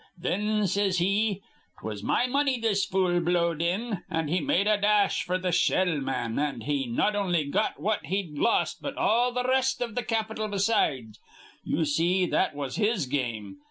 Thin says he, ''Twas my money this fool blowed in.' An' he made a dash f'r th' shell ma'an; an' he not on'y got what he'd lost, but all th' r rest iv th' capital besides. Ye see, that was his game.